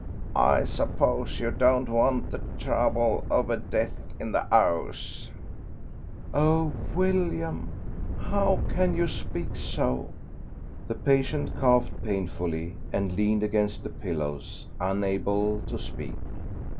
I suppose you don't want the trouble of a death in the 'ouse." "Oh, William, how can you speak so!" The patient coughed painfully, and leaned against the pillows, unable to speak.